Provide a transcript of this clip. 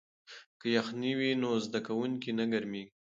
که یخنۍ وي نو زده کوونکی نه ګرمیږي.